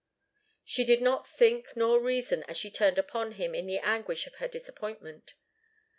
She did not think nor reason, as she turned upon him in the anguish of her disappointment.